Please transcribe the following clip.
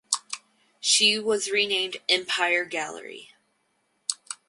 She was renamed "Empire Gallery".